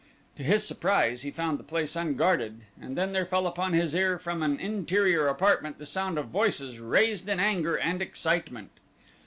To his surprise he found the place unguarded and then there fell upon his ear from an interior apartment the sound of voices raised in anger and excitement.